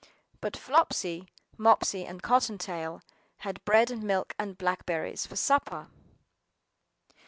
BUT Flopsy, Mopsy, and Cotton tail had bread and milk and blackberries, for supper.